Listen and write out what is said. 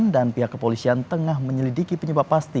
data kita terus dikasih obat